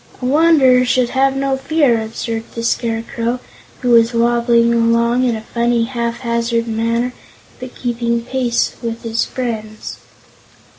"A Wanderer should have no fear," observed the Scarecrow, who was wobbling along in a funny, haphazard manner, but keeping pace with his friends.